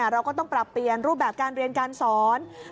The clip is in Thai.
เราก็ต้องปรับเปลี่ยนรูปแบบการเรียนการสอน